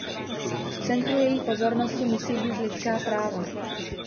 V centru její pozornosti musí být lidská práva.